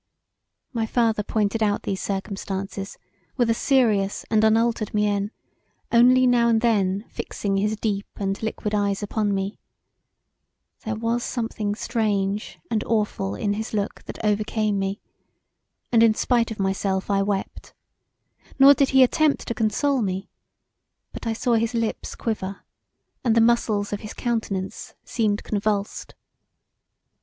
My father pointed out these circumstances with a serious and unaltered mien, only now and then fixing his deep and liquid eyes upon me; there was something strange and awful in his look that overcame me, and in spite of myself I wept, nor did he attempt to console me, but I saw his lips quiver and the muscles of his countenance seemed convulsed.